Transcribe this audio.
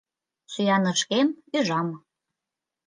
— Сӱанышкем ӱжам.